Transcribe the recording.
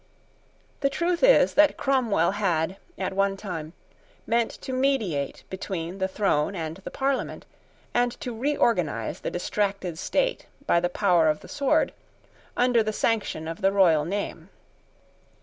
The truth is that Cromwell had, at one time, meant to mediate between the throne and the Parliament, and to reorganise the distracted State by the power of the sword, under the sanction of the royal name.